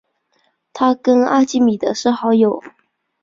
他跟阿基米德是好友。